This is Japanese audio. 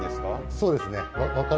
そうですね。